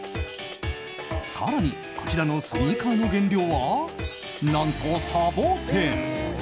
更にこちらのスニーカーの原料は何とサボテン！